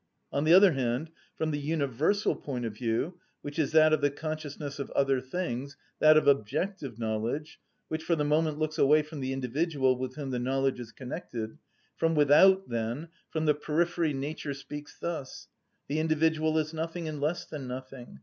On the other hand, from the universal point of view,—which is that of the consciousness of other things, that of objective knowledge, which for the moment looks away from the individual with whom the knowledge is connected,—from without then, from the periphery nature speaks thus: "The individual is nothing, and less than nothing.